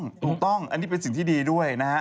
ถูกต้องอันนี้เป็นสิ่งที่ดีด้วยนะฮะ